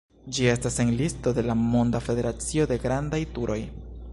Ĝi estas en listo de la Monda Federacio de Grandaj Turoj.